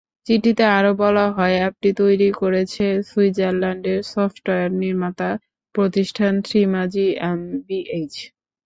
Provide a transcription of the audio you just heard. চিঠিতে আরও বলা হয়, অ্যাপটি তৈরি করেছে সুইজারল্যান্ডের সফটওয়্যার নির্মাতা প্রতিষ্ঠান থ্রিমা জিএমবিএইচ।